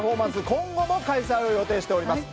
今後も開催を予定しております。